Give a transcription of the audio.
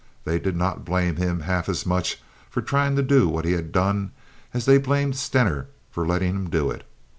They did not blame him half as much for trying to do what he had done as they blamed Stener for letting him do it.